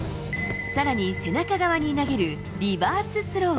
さらに、背中側に投げるリバーススロー。